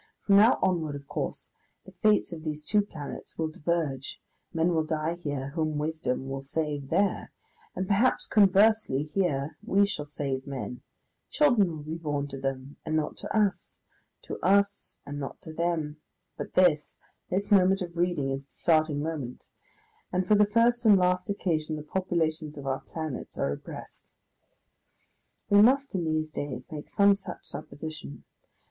From now onward, of course, the fates of these two planets will diverge, men will die here whom wisdom will save there, and perhaps conversely here we shall save men; children will be born to them and not to us, to us and not to them, but this, this moment of reading, is the starting moment, and for the first and last occasion the populations of our planets are abreast. We must in these days make some such supposition.